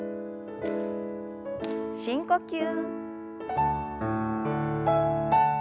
深呼吸。